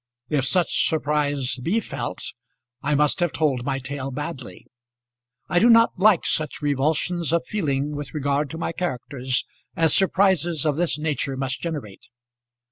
If such surprise be felt I must have told my tale badly. I do not like such revulsions of feeling with regard to my characters as surprises of this nature must generate.